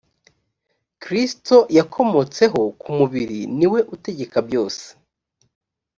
kristo yakomotseho ku mubiri ni we utegeka byose